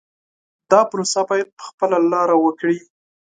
دا پروسه باید په خپله لاره وکړي.